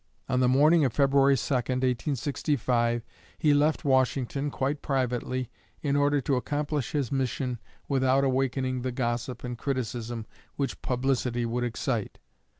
On the morning of February 2, 1865, he left Washington, quite privately, in order to accomplish his mission without awakening the gossip and criticism which publicity would excite.